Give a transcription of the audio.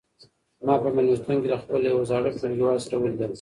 ما په مېلمستون کې له خپل یو زاړه ټولګیوال سره ولیدل.